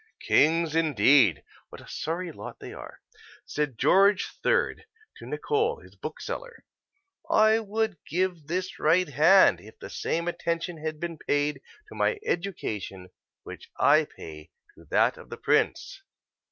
Kings, indeed! What a sorry lot are they! Said George III. to Nicol, his bookseller: "I would give this right hand if the same attention had been paid to my education which I pay to that of the prince."